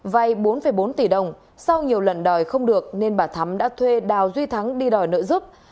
vay bốn bốn tỷ đồng sau nhiều lần đòi không được nên bà thắm đã thuê đào duy thắng đi đòi nợ giúp